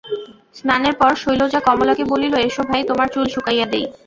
স্নানের পর শৈলজা কমলাকে বলিল, এসো ভাই, তোমার চুল শুকাইয়া দিই।